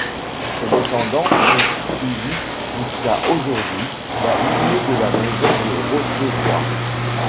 Ses descendants ont poursuivi jusqu'à aujourd'hui la lignée de la maison de Rochechouart.